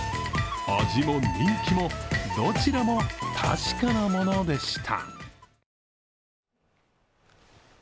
味も人気も、どちらも確かなものでした。